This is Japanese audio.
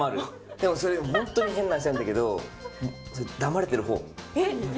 でもそれ、本当に変な話だけど、黙れてるほう。